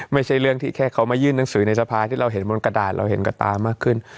ไม่ใช่เรื่องที่เค้ายื่นในสภาพที่เราเห็นสำหรับบนกระดาษเราเห็นกับตามากขึ้น